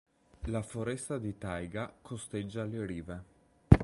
La foresta di taiga costeggia le rive.